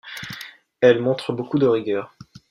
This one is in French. Elle montre beaucoup de rigueur.